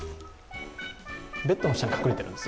ベッドの下に隠れてるんです。